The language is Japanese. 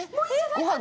ごはん。